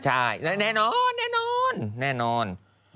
ใช่และแน่นอนแน่นอนแน่นอน